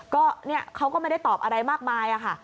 ก็เนี่ยเขาก็ไม่ได้ตอบอะไรมากมายค่ะ